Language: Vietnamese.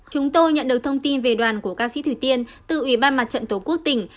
chúng tôi nhận được thông tin về đoàn của ca sĩ thủy tiên từ ủy ban mặt trận tổ quốc tỉnh